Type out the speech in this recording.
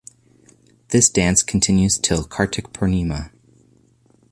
This dance continues till Kartik Purnima.